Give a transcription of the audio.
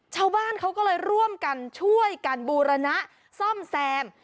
ชาวบ้านเขาก็เลยร่วมกันช่วยกันบูรณะซ่อมแซม